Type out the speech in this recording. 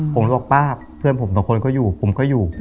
ผมบอกป้าเพื่อนผมสองคนก็อยู่ผมก็อยู่